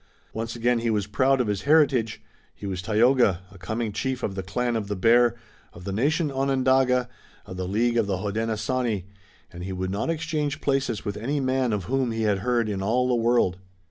Once again he was proud of his heritage. He was Tayoga, a coming chief of the Clan of the Bear, of the nation Onondaga, of the League of the Hodenosaunee, and he would not exchange places with any man of whom he had heard in all the world.